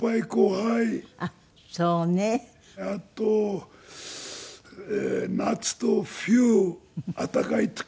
あと夏と冬暖かい時と寒い時。